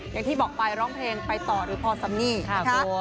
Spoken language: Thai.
อย่างที่บอกไปร้องเพลงไปต่อหรือพอซัมนี่ค่ะ